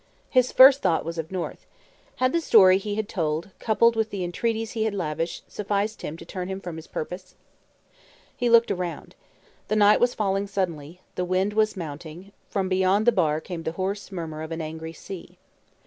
His first thought was of North. Had the story he had told, coupled with the entreaties he had lavished, sufficed to turn him from his purpose? He looked around. The night was falling suddenly; the wind was mounting; from beyond the bar came the hoarse murmur of an angry sea.